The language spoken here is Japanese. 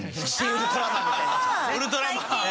「ウルトラマン」